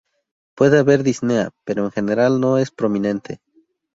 Puede haber disnea pero en general no es prominente.